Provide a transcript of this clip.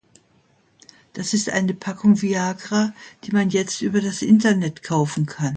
Das ist eine Packung Viagra, die man jetzt über das Internet kaufen kann.